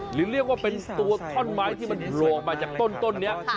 หรือเรียกว่าเป็นตัวท่อนไม้ที่มันโผล่ออกมาจากต้นนี้